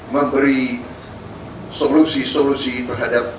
memberi solusi solusi terhadap